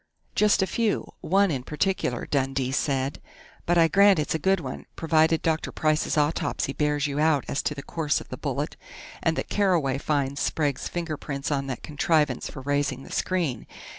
"Just a few one in particular," Dundee said. "But I grant it's a good one, provided Dr. Price's autopsy bears you out as to the course of the bullet, and that Carraway finds Sprague's fingerprints on that contrivance for raising the screen.